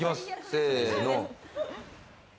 せの。